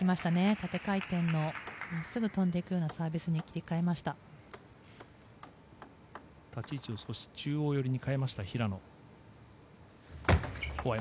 縦回転の、真っすぐ飛んでいくようなサービスに立ち位置を少し中央寄りに変えました、平野。